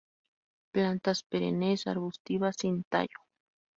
Plantas perennes arbustivas, sin tallo.